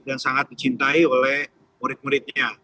dan sangat dicintai oleh murid muridnya